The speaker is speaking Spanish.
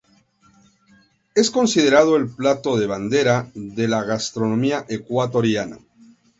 Es considerado el plato de bandera de la gastronomía ecuatoriana.